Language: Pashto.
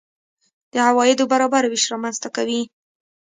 د عوایدو برابر وېش رامنځته کوي.